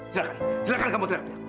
silahkan silahkan kamu teriak teriak